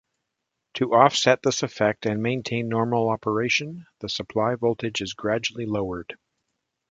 To offset this effect and maintain normal operation, the supply voltage is gradually lowered.